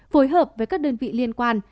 phối hợp với các đơn vị liên quan